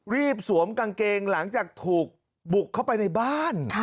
สวมกางเกงหลังจากถูกบุกเข้าไปในบ้าน